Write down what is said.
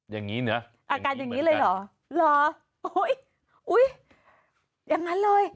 อย่างนี้นะอาการอย่างนี้เลยเหรอโอ้ยอุ้ยอย่างนั้นเลย